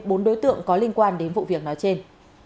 bốn đối tượng có liên quan đến vụ việc nói trên